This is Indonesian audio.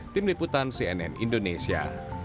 tim liputan cnn indonesia